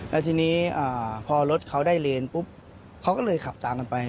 แล้วทีนี้พอรถเขาได้เลนปุ๊บเขาก็เลยขับตามกันไป